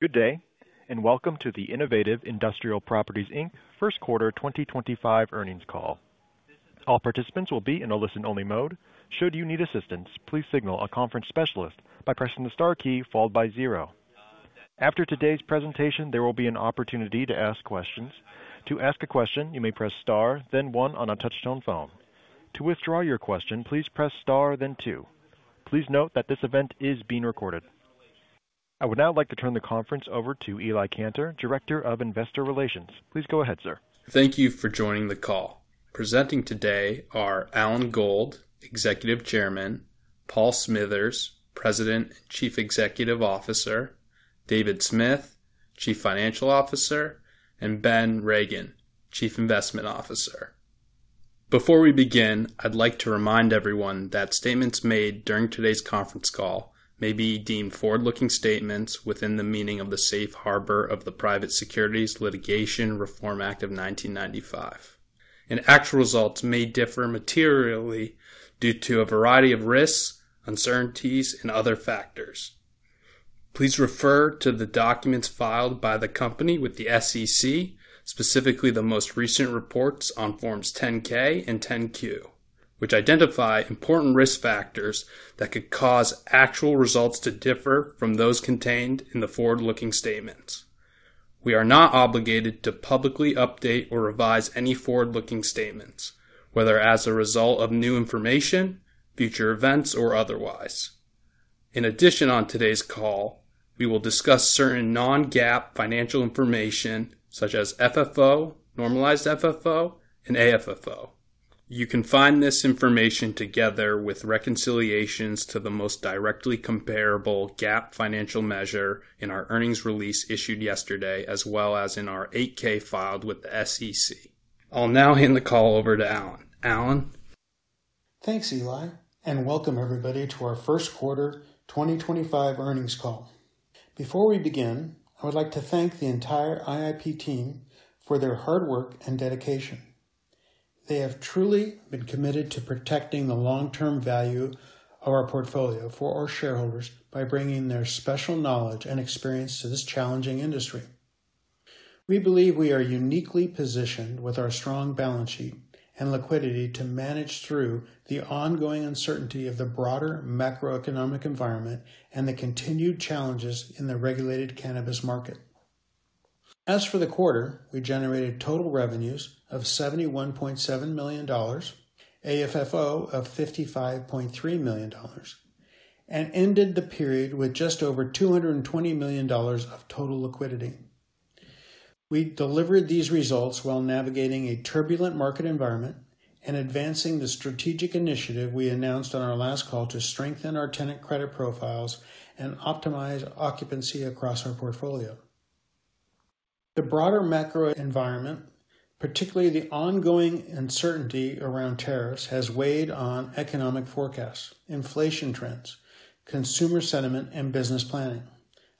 Good day, and welcome to the Innovative Industrial Properties first quarter 2025 earnings call. All participants will be in a listen-only mode. Should you need assistance, please signal a conference specialist by pressing the star key followed by zero. After today's presentation, there will be an opportunity to ask questions. To ask a question, you may press star, then one on a touchstone phone. To withdraw your question, please press star, then two. Please note that this event is being recorded. I would now like to turn the conference over to Eli Kanter, Director of Investor Relations. Please go ahead, sir. Thank you for joining the call. Presenting today are Alan Gold, Executive Chairman; Paul Smithers, President and Chief Executive Officer; David Smith, Chief Financial Officer; and Ben Regin, Chief Investment Officer. Before we begin, I'd like to remind everyone that statements made during today's conference call may be deemed forward-looking statements within the meaning of the Safe Harbor of the Private Securities Litigation Reform Act of 1995. Actual results may differ materially due to a variety of risks, uncertainties, and other factors. Please refer to the documents filed by the company with the SEC, specifically the most recent reports on Forms 10-K and 10-Q, which identify important risk factors that could cause actual results to differ from those contained in the forward-looking statements. We are not obligated to publicly update or revise any forward-looking statements, whether as a result of new information, future events, or otherwise. In addition, on today's call, we will discuss certain non-GAAP financial information such as FFO, Normalized FFO, and AFFO. You can find this information together with reconciliations to the most directly comparable GAAP financial measure in our earnings release issued yesterday, as well as in our 8-K filed with the SEC. I'll now hand the call over to Alan. Alan. Thanks, Eli, and welcome everybody to our first quarter 2025 earnings call. Before we begin, I would like to thank the entire IIP team for their hard work and dedication. They have truly been committed to protecting the long-term value of our portfolio for our shareholders by bringing their special knowledge and experience to this challenging industry. We believe we are uniquely positioned with our strong balance sheet and liquidity to manage through the ongoing uncertainty of the broader macroeconomic environment and the continued challenges in the regulated cannabis market. As for the quarter, we generated total revenues of $71.7 million, AFFO of $55.3 million, and ended the period with just over $220 million of total liquidity. We delivered these results while navigating a turbulent market environment and advancing the strategic initiative we announced on our last call to strengthen our tenant credit profiles and optimize occupancy across our portfolio. The broader macro environment, particularly the ongoing uncertainty around tariffs, has weighed on economic forecasts, inflation trends, consumer sentiment, and business planning.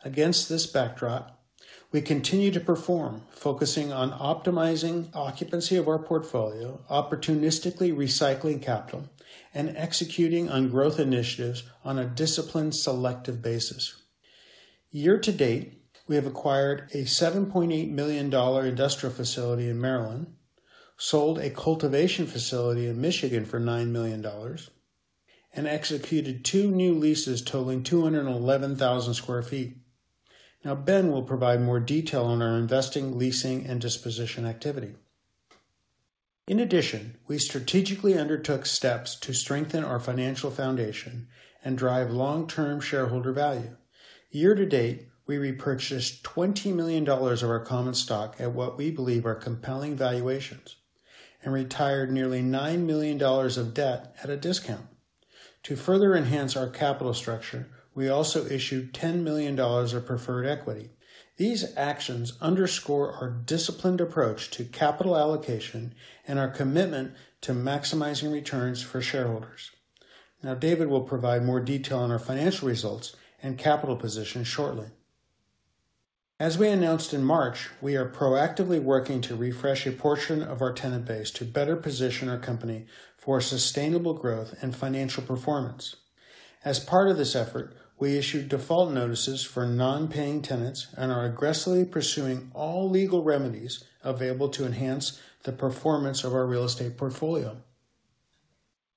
Against this backdrop, we continue to perform, focusing on optimizing occupancy of our portfolio, opportunistically recycling capital, and executing on growth initiatives on a disciplined selective basis. Year to date, we have acquired a $7.8 million industrial facility in Maryland, sold a cultivation facility in Michigan for $9 million, and executed two new leases totaling 211,000 sq ft. Now, Ben will provide more detail on our investing, leasing, and disposition activity. In addition, we strategically undertook steps to strengthen our financial foundation and drive long-term shareholder value. Year to date, we repurchased $20 million of our common stock at what we believe are compelling valuations and retired nearly $9 million of debt at a discount. To further enhance our capital structure, we also issued $10 million of preferred equity. These actions underscore our disciplined approach to capital allocation and our commitment to maximizing returns for shareholders. Now, David will provide more detail on our financial results and capital position shortly. As we announced in March, we are proactively working to refresh a portion of our tenant base to better position our company for sustainable growth and financial performance. As part of this effort, we issued default notices for non-paying tenants and are aggressively pursuing all legal remedies available to enhance the performance of our real estate portfolio.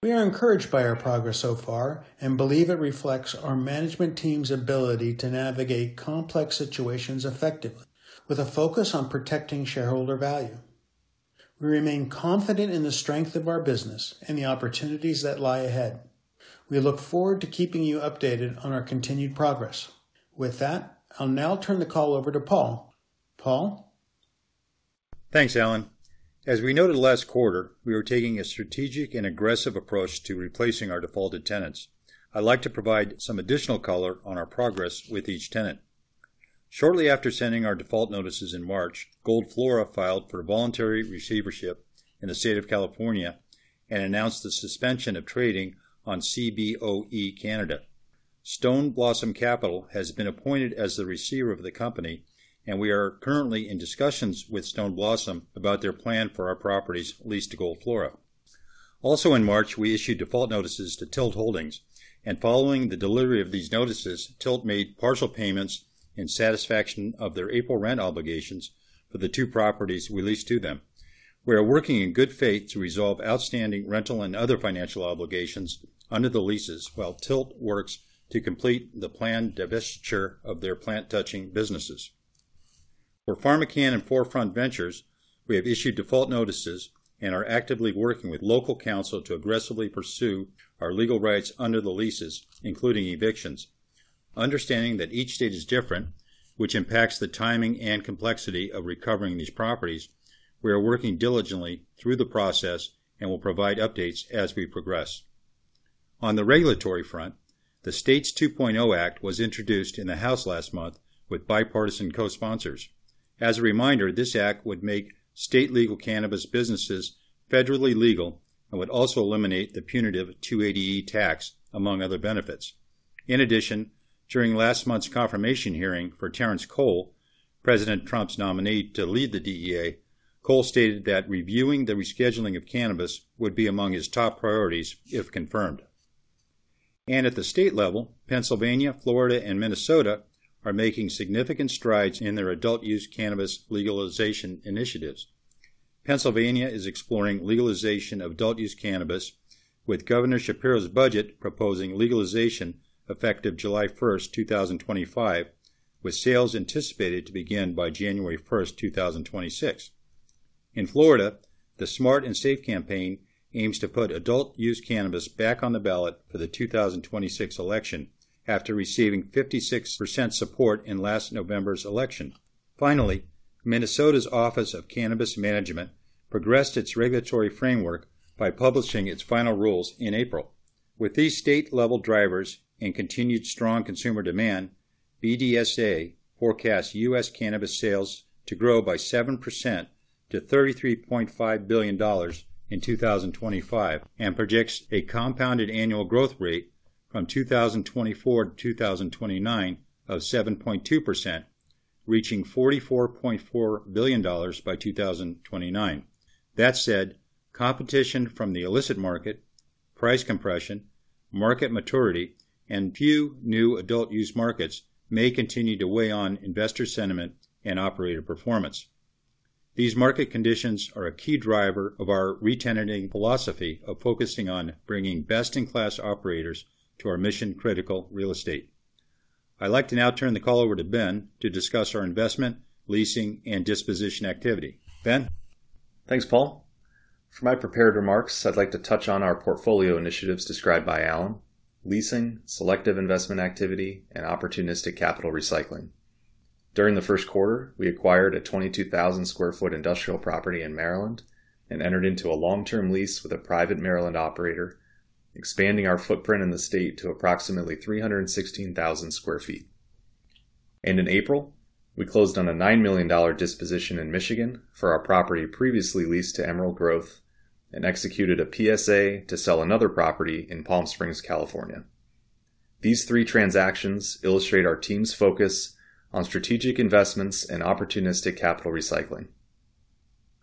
We are encouraged by our progress so far and believe it reflects our management team's ability to navigate complex situations effectively with a focus on protecting shareholder value. We remain confident in the strength of our business and the opportunities that lie ahead. We look forward to keeping you updated on our continued progress. With that, I'll now turn the call over to Paul. Paul. Thanks, Alan. As we noted last quarter, we were taking a strategic and aggressive approach to replacing our defaulted tenants. I'd like to provide some additional color on our progress with each tenant. Shortly after sending our default notices in March, Gold Flora filed for voluntary receivership in the state of California and announced the suspension of trading on CBOE Canada. Stone Blossom Capital has been appointed as the receiver of the company, and we are currently in discussions with Stone Blossom about their plan for our properties leased to Gold Flora. Also, in March, we issued default notices to Tilt Holdings, and following the delivery of these notices, Tilt made partial payments in satisfaction of their April rent obligations for the two properties we leased to them. We are working in good faith to resolve outstanding rental and other financial obligations under the leases while Tilt works to complete the planned divestiture of their plant-touching businesses. For PharmaCann and Forefront Ventures, we have issued default notices and are actively working with local counsel to aggressively pursue our legal rights under the leases, including evictions. Understanding that each state is different, which impacts the timing and complexity of recovering these properties, we are working diligently through the process and will provide updates as we progress. On the regulatory front, the STATES 2.0 Act was introduced in the House last month with bipartisan co-sponsors. As a reminder, this act would make state legal cannabis businesses federally legal and would also eliminate the punitive 280E tax, among other benefits. In addition, during last month's confirmation hearing for Terrence Cole, President Trump's nominee to lead the DEA, Cole stated that reviewing the rescheduling of cannabis would be among his top priorities if confirmed. At the state level, Pennsylvania, Florida, and Minnesota are making significant strides in their adult-use cannabis legalization initiatives. Pennsylvania is exploring legalization of adult-use cannabis, with Governor Shapiro's budget proposing legalization effective July 1, 2025, with sales anticipated to begin by January 1, 2026. In Florida, the SMART and SAFE campaign aims to put adult-use cannabis back on the ballot for the 2026 election after receiving 56% support in last November's election. Finally, Minnesota's Office of Cannabis Management progressed its regulatory framework by publishing its final rules in April. With these state-level drivers and continued strong consumer demand, BDSA forecasts U.S. Cannabis sales to grow by 7% to $33.5 billion in 2025 and projects a compounded annual growth rate from 2024 to 2029 of 7.2%, reaching $44.4 billion by 2029. That said, competition from the illicit market, price compression, market maturity, and few new adult-use markets may continue to weigh on investor sentiment and operator performance. These market conditions are a key driver of our retenting philosophy of focusing on bringing best-in-class operators to our mission-critical real estate. I'd like to now turn the call over to Ben to discuss our investment, leasing, and disposition activity. Ben. Thanks, Paul. For my prepared remarks, I'd like to touch on our portfolio initiatives described by Alan: leasing, selective investment activity, and opportunistic capital recycling. During the first quarter, we acquired a 22,000 sq ft industrial property in Maryland and entered into a long-term lease with a private Maryland operator, expanding our footprint in the state to approximately 316,000 sq ft. In April, we closed on a $9 million disposition in Michigan for our property previously leased to Emerald Growth and executed a PSA to sell another property in Palm Springs, California. These three transactions illustrate our team's focus on strategic investments and opportunistic capital recycling.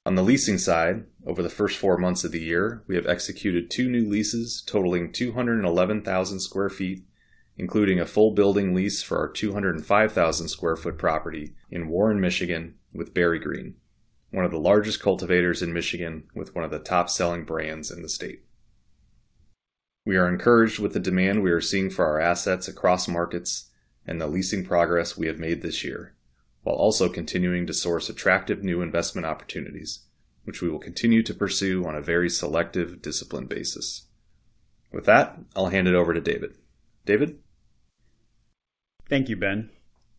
On the leasing side, over the first four months of the year, we have executed two new leases totaling 211,000 sq ft, including a full building lease for our 205,000 sq ft property in Warren, Michigan, with Berry Green, one of the largest cultivators in Michigan with one of the top-selling brands in the state. We are encouraged with the demand we are seeing for our assets across markets and the leasing progress we have made this year, while also continuing to source attractive new investment opportunities, which we will continue to pursue on a very selective, disciplined basis. With that, I'll hand it over to David. David. Thank you, Ben.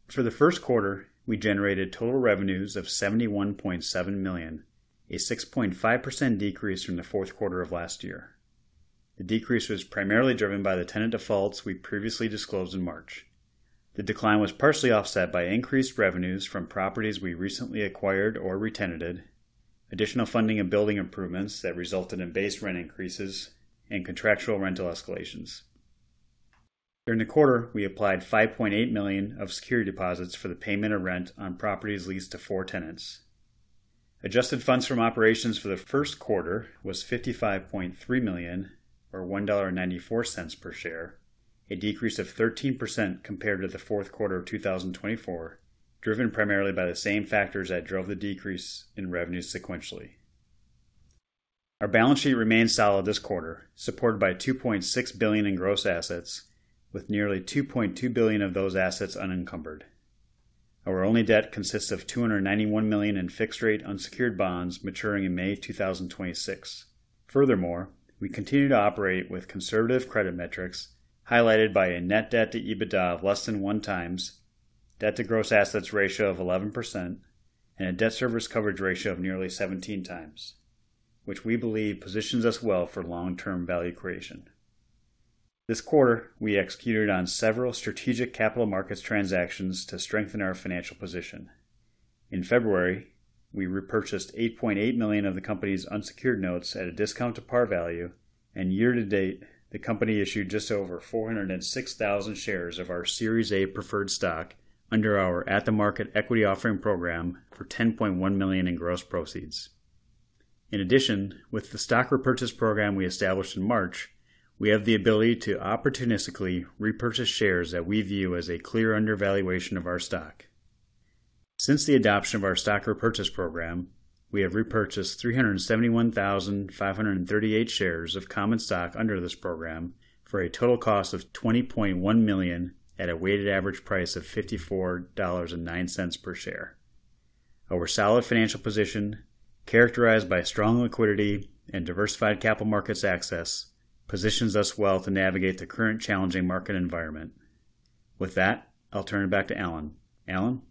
For the first quarter, we generated total revenues of $71.7 million, a 6.5% decrease from the fourth quarter of last year. The decrease was primarily driven by the tenant defaults we previously disclosed in March. The decline was partially offset by increased revenues from properties we recently acquired or retented, additional funding and building improvements that resulted in base rent increases and contractual rental escalations. During the quarter, we applied $5.8 million of security deposits for the payment of rent on properties leased to four tenants. Adjusted funds from operations for the first quarter was $55.3 million, or $1.94 per share, a decrease of 13% compared to the fourth quarter of 2024, driven primarily by the same factors that drove the decrease in revenues sequentially. Our balance sheet remained solid this quarter, supported by $2.6 billion in gross assets, with nearly $2.2 billion of those assets unencumbered. Our only debt consists of $291 million in fixed-rate unsecured bonds maturing in May 2026. Furthermore, we continue to operate with conservative credit metrics highlighted by a net debt-to-EBITDA of less than one times, debt-to-gross assets ratio of 11%, and a debt service coverage ratio of nearly 17 times, which we believe positions us well for long-term value creation. This quarter, we executed on several strategic capital markets transactions to strengthen our financial position. In February, we repurchased $8.8 million of the company's unsecured notes at a discount to par value, and year to date, the company issued just over 406,000 shares of our Series A preferred stock under our at-the-market equity offering program for $10.1 million in gross proceeds. In addition, with the stock repurchase program we established in March, we have the ability to opportunistically repurchase shares that we view as a clear undervaluation of our stock. Since the adoption of our stock repurchase program, we have repurchased 371,538 shares of common stock under this program for a total cost of $20.1 million at a weighted average price of $54.09 per share. Our solid financial position, characterized by strong liquidity and diversified capital markets access, positions us well to navigate the current challenging market environment. With that, I'll turn it back to Alan. Alan.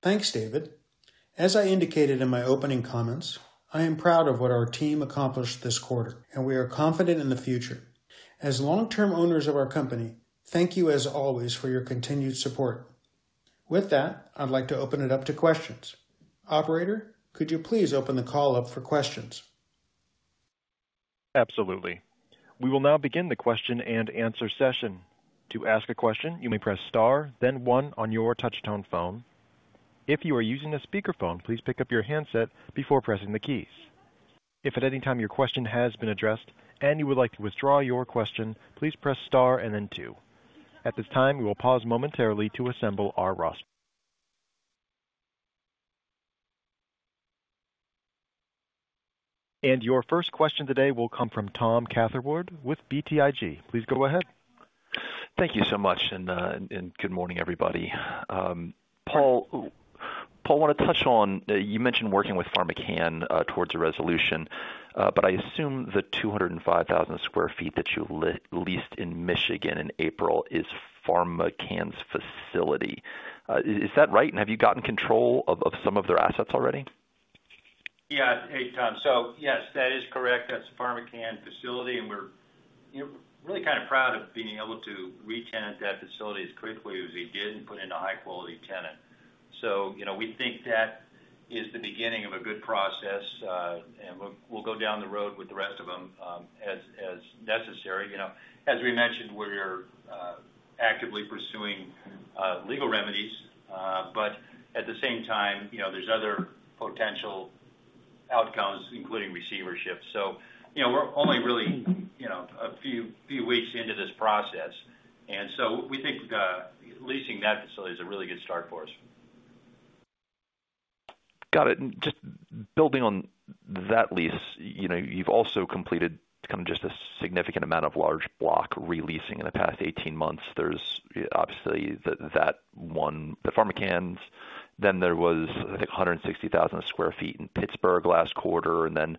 Thanks, David. As I indicated in my opening comments, I am proud of what our team accomplished this quarter, and we are confident in the future. As long-term owners of our company, thank you as always for your continued support. With that, I'd like to open it up to questions. Operator, could you please open the call up for questions? Absolutely. We will now begin the question and answer session. To ask a question, you may press star, then one on your touch-tone phone. If you are using a speakerphone, please pick up your handset before pressing the keys. If at any time your question has been addressed and you would like to withdraw your question, please press star and then two. At this time, we will pause momentarily to assemble our roster. Your first question today will come from Tom Catherwood with BTIG. Please go ahead. Thank you so much, and good morning, everybody. Paul, I want to touch on you mentioned working with PharmaCann towards a resolution, but I assume the 205,000 sq ft that you leased in Michigan in April is PharmaCann's facility. Is that right? And have you gotten control of some of their assets already? Yeah, Tom, so yes, that is correct. That's a PharmaCann facility, and we're really kind of proud of being able to retent that facility as quickly as we did and put in a high-quality tenant. We think that is the beginning of a good process, and we'll go down the road with the rest of them as necessary. As we mentioned, we're actively pursuing legal remedies, but at the same time, there's other potential outcomes, including receivership. We're only really a few weeks into this process. We think leasing that facility is a really good start for us. Got it. And just building on that lease, you've also completed kind of just a significant amount of large block releasing in the past 18 months. There's obviously that one, the PharmaCann's. Then there was, I think, 160,000 sq ft in Pittsburgh last quarter, and then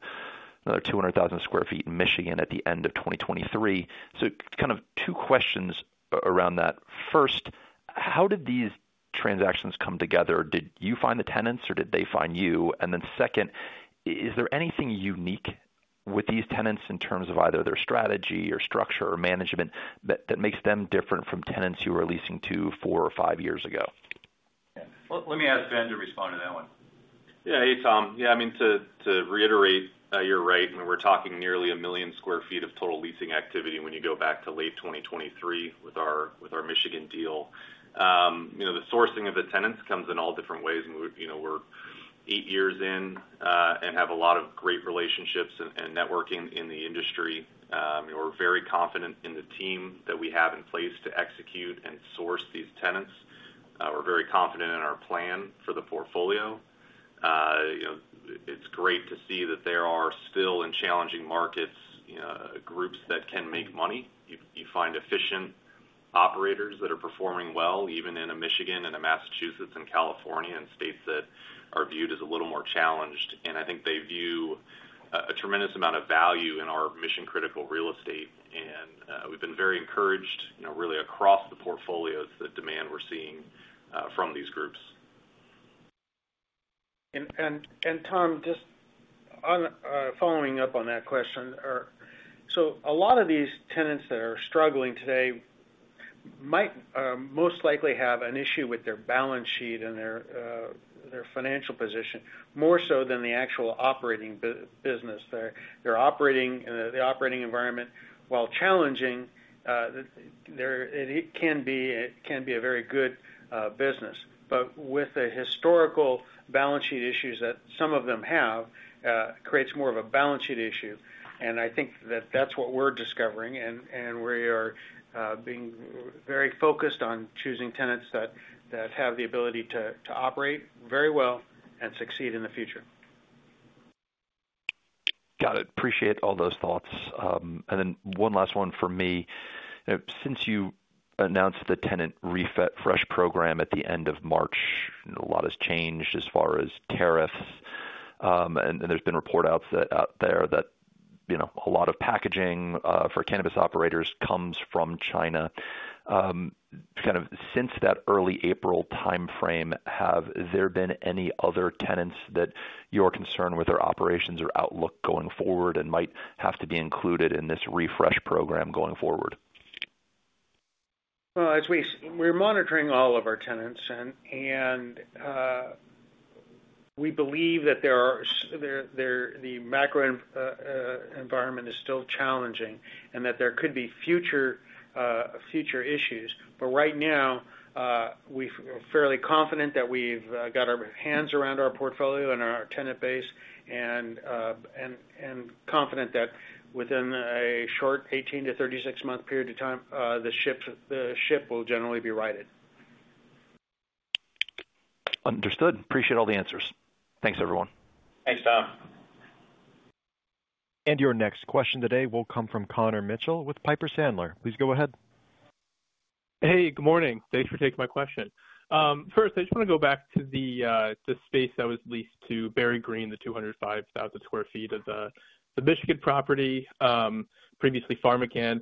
another 200,000 sq ft in Michigan at the end of 2023. So kind of two questions around that. First, how did these transactions come together? Did you find the tenants, or did they find you? And then second, is there anything unique with these tenants in terms of either their strategy or structure or management that makes them different from tenants you were leasing to four or five years ago? Yeah. Let me ask Ben to respond to that one. Yeah, hey, Tom. Yeah, I mean, to reiterate, you're right. We're talking nearly 1 million sq ft of total leasing activity when you go back to late 2023 with our Michigan deal. The sourcing of the tenants comes in all different ways. We're eight years in and have a lot of great relationships and networking in the industry. We're very confident in the team that we have in place to execute and source these tenants. We're very confident in our plan for the portfolio. It's great to see that there are still in challenging markets groups that can make money. You find efficient operators that are performing well, even in a Michigan and a Massachusetts and California and states that are viewed as a little more challenged. I think they view a tremendous amount of value in our mission-critical real estate. We have been very encouraged, really, across the portfolios that demand we are seeing from these groups. Tom, just following up on that question, a lot of these tenants that are struggling today might most likely have an issue with their balance sheet and their financial position, more so than the actual operating business. Their operating environment, while challenging, it can be a very good business. With the historical balance sheet issues that some of them have, it creates more of a balance sheet issue. I think that that's what we're discovering, and we are being very focused on choosing tenants that have the ability to operate very well and succeed in the future. Got it. Appreciate all those thoughts. One last one for me. Since you announced the tenant refresh program at the end of March, a lot has changed as far as tariffs. There have been reports out there that a lot of packaging for cannabis operators comes from China. Kind of since that early April timeframe, have there been any other tenants that you're concerned with their operations or outlook going forward and might have to be included in this refresh program going forward? As we're monitoring all of our tenants, and we believe that the macro environment is still challenging and that there could be future issues. Right now, we're fairly confident that we've got our hands around our portfolio and our tenant base and confident that within a short 18-36-month period of time, the ship will generally be righted. Understood. Appreciate all the answers. Thanks, everyone. Thanks, Tom. Your next question today will come from Connor Mitchell with Piper Sandler. Please go ahead. Hey, good morning. Thanks for taking my question. First, I just want to go back to the space that was leased to Berry Green, the 205,000 sq ft of the Michigan property, previously PharmaCann.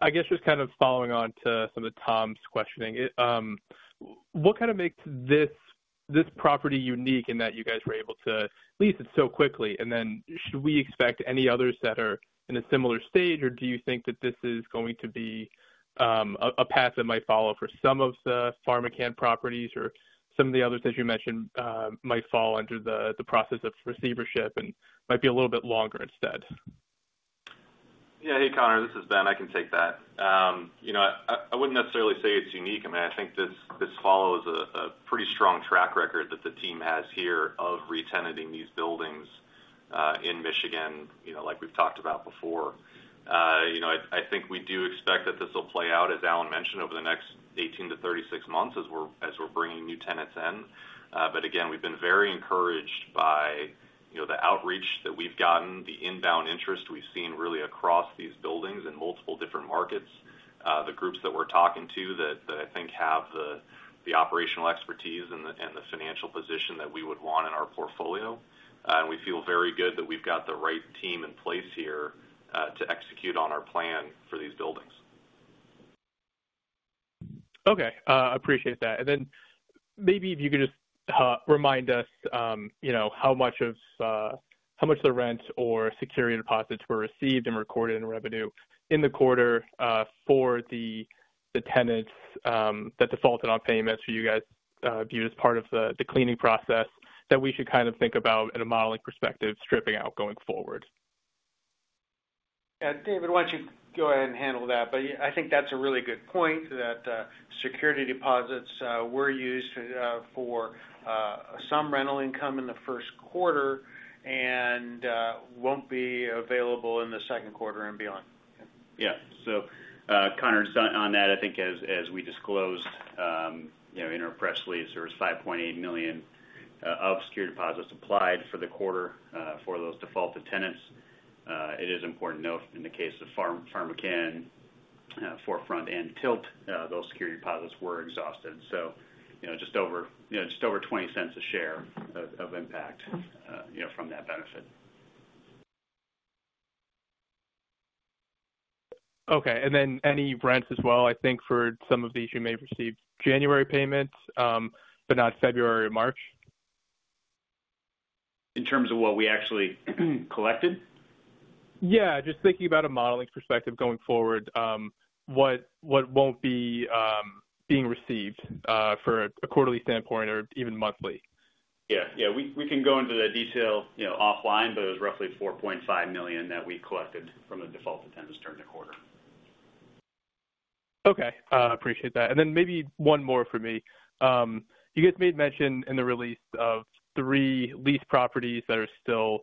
I guess just kind of following on to some of Tom's questioning, what kind of makes this property unique in that you guys were able to lease it so quickly? Should we expect any others that are in a similar stage, or do you think that this is going to be a path that might follow for some of the PharmaCann properties or some of the others that you mentioned might fall under the process of receivership and might be a little bit longer instead? Yeah. Hey, Connor, this is Ben. I can take that. I would not necessarily say it is unique. I mean, I think this follows a pretty strong track record that the team has here of retenting these buildings in Michigan, like we have talked about before. I think we do expect that this will play out, as Alan mentioned, over the next 18-36 months as we are bringing new tenants in. Again, we have been very encouraged by the outreach that we have gotten, the inbound interest we have seen really across these buildings in multiple different markets, the groups that we are talking to that I think have the operational expertise and the financial position that we would want in our portfolio. We feel very good that we have got the right team in place here to execute on our plan for these buildings. Okay. Appreciate that. Maybe if you could just remind us how much of the rent or security deposits were received and recorded in revenue in the quarter for the tenants that defaulted on payments for you guys viewed as part of the cleaning process that we should kind of think about in a modeling perspective stripping out going forward. David, why don't you go ahead and handle that? I think that's a really good point that security deposits were used for some rental income in the first quarter and won't be available in the second quarter and beyond. Yeah. So Connor, on that, I think as we disclosed in our press release, there was $5.8 million of security deposits applied for the quarter for those defaulted tenants. It is important to note in the case of PharmaCann, Forefront, and Tilt, those security deposits were exhausted. So just over $0.20 a share of impact from that benefit. Okay. Any rents as well? I think for some of these, you may receive January payments, but not February or March. In terms of what we actually collected? Yeah. Just thinking about a modeling perspective going forward, what won't be being received from a quarterly standpoint or even monthly? Yeah. Yeah. We can go into the detail offline, but it was roughly $4.5 million that we collected from the defaulted tenants during the quarter. Okay. Appreciate that. Maybe one more for me. You guys made mention in the release of three leased properties that are still,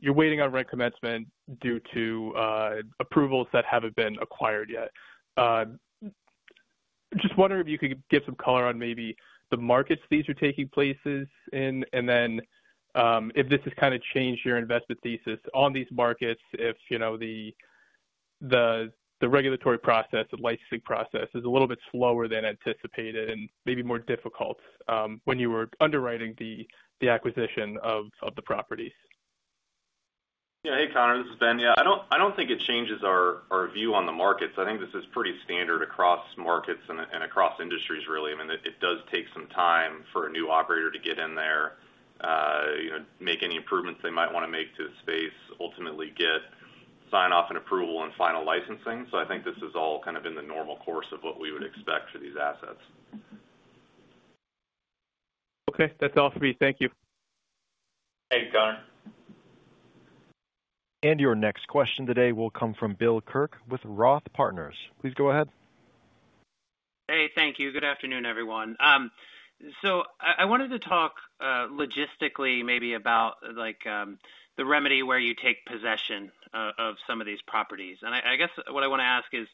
you're waiting on rent commencement due to approvals that haven't been acquired yet. Just wondering if you could give some color on maybe the markets these are taking place in, and if this has kind of changed your investment thesis on these markets, if the regulatory process, the licensing process, is a little bit slower than anticipated and maybe more difficult when you were underwriting the acquisition of the properties. Hey, Connor. This is Ben. Yeah. I do not think it changes our view on the markets. I think this is pretty standard across markets and across industries, really. I mean, it does take some time for a new operator to get in there, make any improvements they might want to make to the space, ultimately get sign-off and approval and final licensing. I think this is all kind of in the normal course of what we would expect for these assets. Okay. That's all for me. Thank you. Your next question today will come from Bill Kirk with Roth Partners. Please go ahead. Hey, thank you. Good afternoon, everyone. I wanted to talk logistically maybe about the remedy where you take possession of some of these properties. I guess what I want to ask is,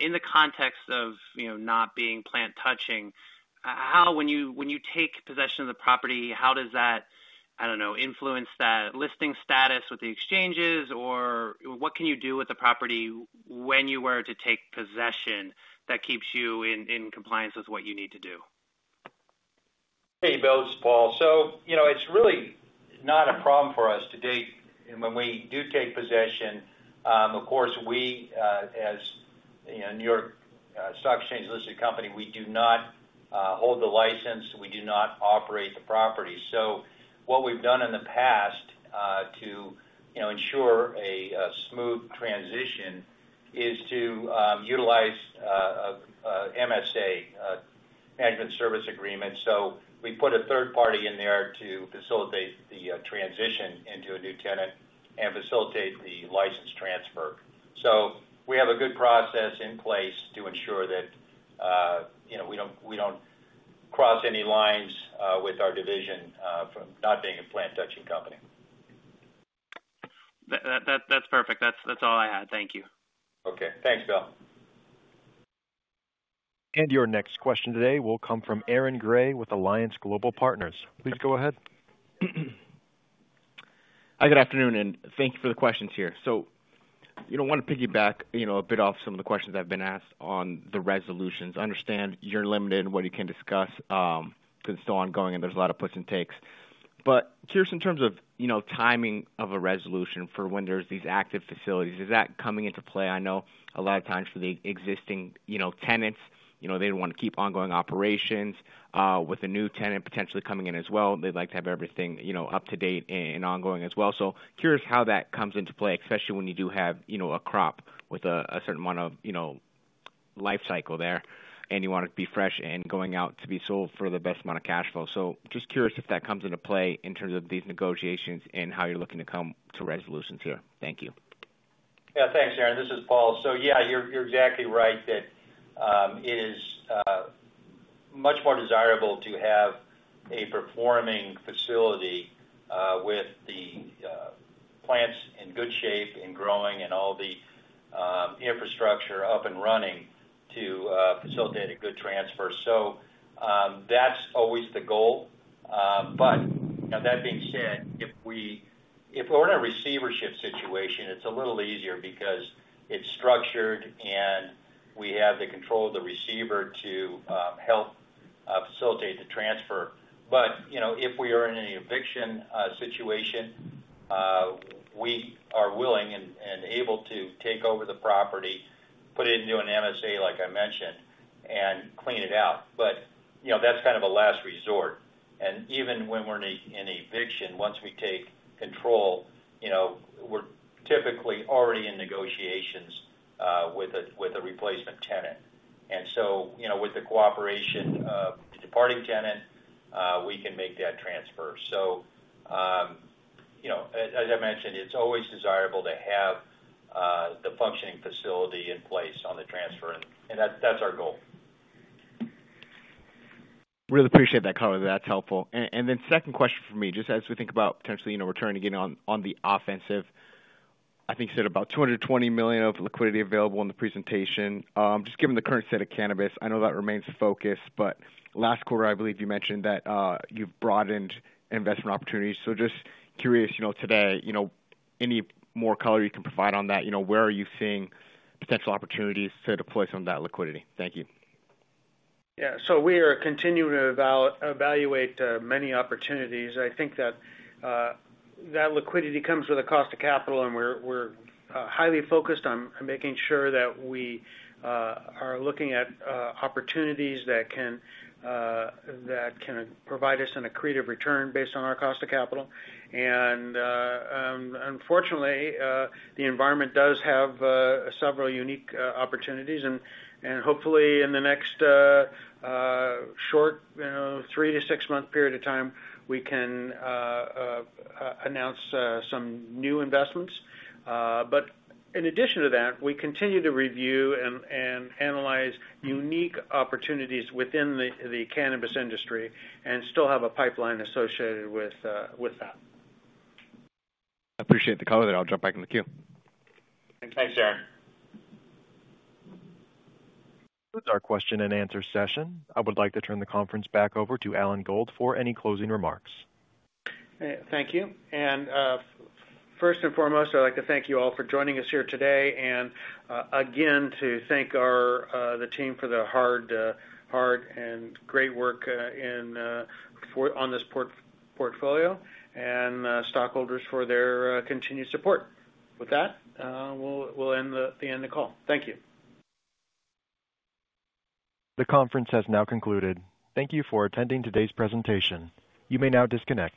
in the context of not being plant-touching, when you take possession of the property, how does that, I don't know, influence that listing status with the exchanges, or what can you do with the property when you were to take possession that keeps you in compliance with what you need to do? Hey, Bill, this is Paul. It's really not a problem for us to date. When we do take possession, of course, we, as a New York Stock Exchange listed company, do not hold the license. We do not operate the property. What we've done in the past to ensure a smooth transition is to utilize an MSA, Management Service Agreement. We put a third party in there to facilitate the transition into a new tenant and facilitate the license transfer. We have a good process in place to ensure that we don't cross any lines with our division from not being a plant-touching company. That's perfect. That's all I had. Thank you. Okay. Thanks, Bill. Your next question today will come from Aaron Grey with Alliance Global Partners. Please go ahead. Hi, good afternoon, and thank you for the questions here. I want to piggyback a bit off some of the questions I've been asked on the resolutions. I understand you're limited in what you can discuss because it's still ongoing and there's a lot of puts and takes. Curious in terms of timing of a resolution for when there's these active facilities, is that coming into play? I know a lot of times for the existing tenants, they want to keep ongoing operations with a new tenant potentially coming in as well. They'd like to have everything up to date and ongoing as well. Curious how that comes into play, especially when you do have a crop with a certain amount of life cycle there and you want it to be fresh and going out to be sold for the best amount of cash flow. Just curious if that comes into play in terms of these negotiations and how you're looking to come to resolutions here. Thank you. Yeah. Thanks, Aaron. This is Paul. Yeah, you're exactly right that it is much more desirable to have a performing facility with the plants in good shape and growing and all the infrastructure up and running to facilitate a good transfer. That's always the goal. That being said, if we're in a receivership situation, it's a little easier because it's structured and we have the control of the receiver to help facilitate the transfer. If we are in an eviction situation, we are willing and able to take over the property, put it into an MSA, like I mentioned, and clean it out. That's kind of a last resort. Even when we're in eviction, once we take control, we're typically already in negotiations with a replacement tenant. With the cooperation of the departing tenant, we can make that transfer. As I mentioned, it's always desirable to have the functioning facility in place on the transfer. And that's our goal. Really appreciate that color. That's helpful. Second question for me, just as we think about potentially returning again on the offensive, I think you said about $220 million of liquidity available in the presentation. Just given the current state of cannabis, I know that remains the focus, but last quarter, I believe you mentioned that you've broadened investment opportunities. Just curious today, any more color you can provide on that? Where are you seeing potential opportunities to deploy some of that liquidity? Thank you. Yeah. We are continuing to evaluate many opportunities. I think that liquidity comes with a cost of capital, and we're highly focused on making sure that we are looking at opportunities that can provide us an accretive return based on our cost of capital. Unfortunately, the environment does have several unique opportunities. Hopefully, in the next short three- to six-month period of time, we can announce some new investments. In addition to that, we continue to review and analyze unique opportunities within the cannabis industry and still have a pipeline associated with that. Appreciate the color, and I'll jump back in the queue. Thanks, Aaron. This is our question and answer session. I would like to turn the conference back over to Alan Gold for any closing remarks. Thank you. First and foremost, I'd like to thank you all for joining us here today. Again, to thank the team for the hard and great work on this portfolio and stockholders for their continued support. With that, we'll end the call. Thank you. The conference has now concluded. Thank you for attending today's presentation. You may now disconnect.